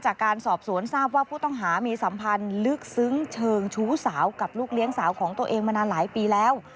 จากการสอบสวนทราบว่าผู้ต้องหามีสัมพันธ์ลึกซึ้งเชิงชู้สาวกับลูกเลี้ยงสาวของตัวเองมานานหลายปีแล้ว